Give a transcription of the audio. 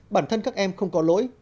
bản thân các em không có lỗi